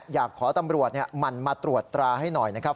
อยากขอตำรวจหมั่นมาตรวจตราให้หน่อยนะครับ